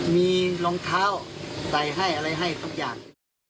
มีรองเท้าใส่ให้อะไรให้ทุกอย่าง